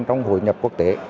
trong hội nhập quốc tế